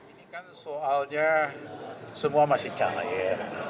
ini kan soalnya semua masih canggih ya